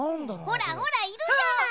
ほらほらいるじゃない。